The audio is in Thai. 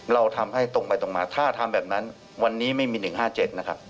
เราทำให้ตรงไปตรงมาถ้าทำแบบนั้นวันนี้ไม่มี๑๕๗นะครับ